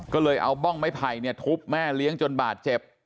ก็เลยเอาบ้องไม้ไผ่ทุบแม่เลี้ยงจนบาดเจ็บ